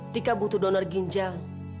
tika butuh donor ginjal